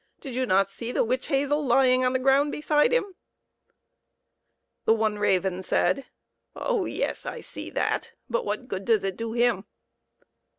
Do you not see the witch hazel lying on the ground beside him ?" The one raven said, " Oh yes ; I see that, but what good does it do him